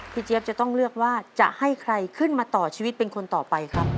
เจี๊ยบจะต้องเลือกว่าจะให้ใครขึ้นมาต่อชีวิตเป็นคนต่อไปครับ